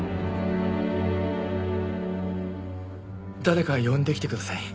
誰か呼んできてください。